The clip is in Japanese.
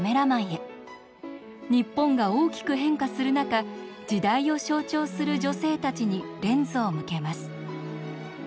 日本が大きく変化する中時代を象徴する女性たちにレンズを向けます。